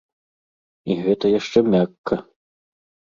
І гэта яшчэ мякка.